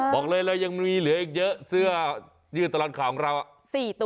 บอกเลยเรายังมีเหลืออีกเยอะเสื้อยืดตลอดข่าวของเรา